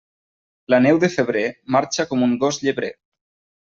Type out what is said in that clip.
La neu de febrer marxa com un gos llebrer.